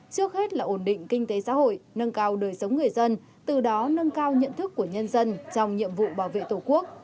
trước hết là ổn định kinh tế xã hội nâng cao đời sống người dân từ đó nâng cao nhận thức của nhân dân trong nhiệm vụ bảo vệ tổ quốc